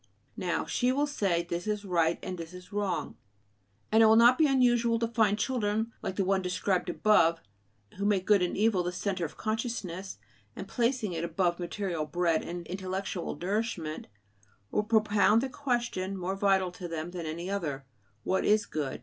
Now she will say: "This is right, this is wrong." And it will not be unusual to find children like the one described above, who make good and evil the center of consciousness, and, placing it above material bread and intellectual nourishment, will propound the question more vital to them than any other: "What is good?